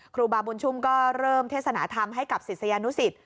ครูบาบุญชุมก็เริ่มเทศนาธรรมให้กับศิษยานุสิต